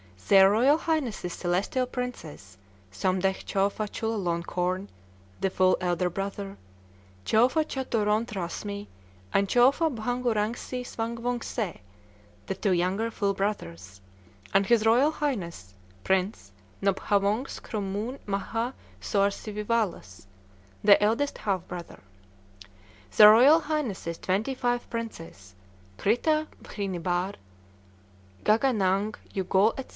Their Royal Highnesses celestial princes Somdetch Chowfa Chulalonkorn the full elder brother, Chowfa Chaturont Rasmi, and Chowfa Bhangurangsi Swang wongse, the two younger full brothers, and His Royal Highness Prince Nobhawongs Krommun Maha suarsivivalas the eldest half brother. Their Royal Highnesses twenty five princes, Krita bhinihar, Gaganang Yugol &c.